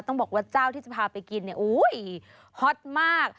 ต้องบอกว่าเจ้าที่จะพาไปกินเนี่ยอุ้ยฮอตมาก